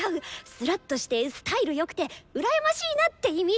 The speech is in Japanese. すらっとしてスタイルよくて羨ましいなって意味！